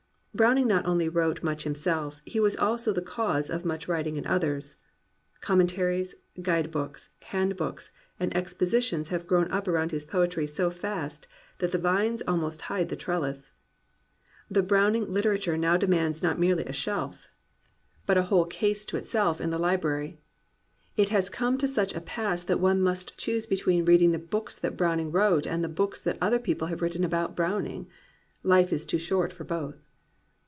Browning not only wrote much himself, he was also the cause of much writing in others. Commen taries, guide books, handbooks, and expositions have grown up around his poetry so fast that the vines almost hide the trelHs. The Browning Lit erature now demands not merely a shelf, but a whole 239 COMPANIONABLE BOOKS case to itself in the library. It has come to such a pass that one must choose between reading the books that Browning wrote and the books that other people have written about Browning. Life is too short for both.